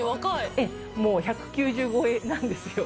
ええもう１９０超えなんですよ